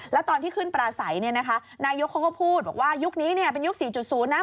แล้วตอนที่ขึ้นปลาใสเนี่ยนะคะนายกเขาก็พูดบอกว่ายุคนี้เป็นยุค๔๐นะ